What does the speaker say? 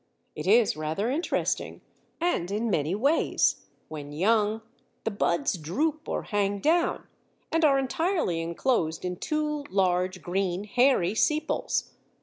It is rather interesting, and in many ways; when young, the buds droop or hang down, and are entirely enclosed in two large green, hairy sepals.